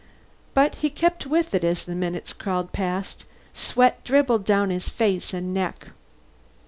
But he kept with it as the minutes crawled past. Sweat dribbled down his face and neck.